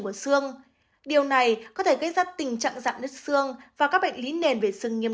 của xương điều này có thể gây ra tình trạng dạn nứt xương và các bệnh lý nền về xương nghiêm